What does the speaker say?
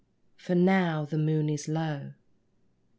For now the moon is low.